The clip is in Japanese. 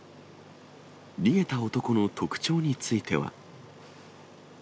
逃げた男の特徴については。